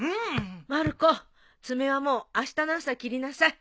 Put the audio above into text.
まる子爪はもうあしたの朝切りなさい。